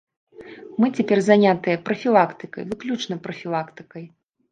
Мы цяпер занятыя прафілактыкай, выключна прафілактыкай.